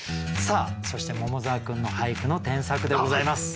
そして桃沢君の俳句の添削でございます。